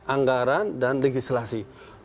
anggaran dan legislasi